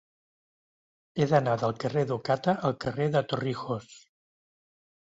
He d'anar del carrer d'Ocata al carrer de Torrijos.